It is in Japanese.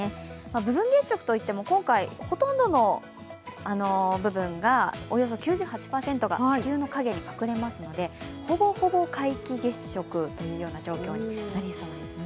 部分月食といっても今回ほとんどの部分がおよそ９８％が地球の陰に隠れますのでほぼほぼ皆既月食という状況になりそうですね。